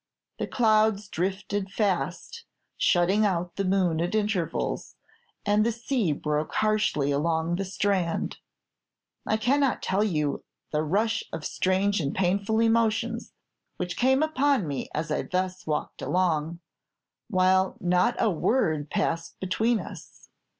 The clouds drifted fast, shutting out the moon at intervals, and the sea broke harshly along the strand. "I cannot tell you the rush of strange and painful emotions which came upon me as I thus walked along, while not a word passed between us.